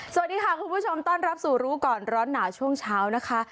สวัสดีค่ะคุณผู้ชมต้อนรับสู่รู้ก่อนร้อนหนาวช่วงเช้านะคะ